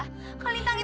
kak kalintang itu